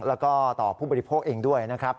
แล้วก็ต่อผู้บริโภคเองด้วยนะครับ